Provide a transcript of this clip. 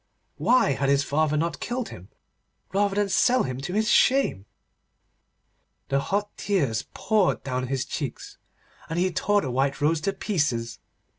Why had his father not killed him, rather than sell him to his shame? The hot tears poured down his cheeks, and he tore the white rose to pieces.